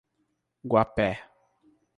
Guapé